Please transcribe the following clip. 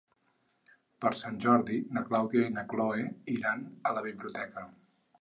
Per Sant Jordi na Clàudia i na Cloè iran a la biblioteca.